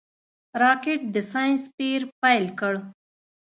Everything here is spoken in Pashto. راکټ د ساینس پېر پيل کړ